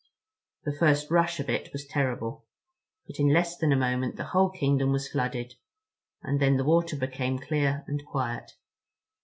The first rush of it was terrible—but in less than a moment the whole kingdom was flooded, and then the water became clear and quiet.